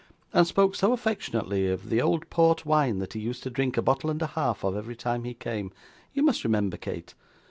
and spoke so affectionately of the old port wine that he used to drink a bottle and a half of every time he came. You must remember, Kate?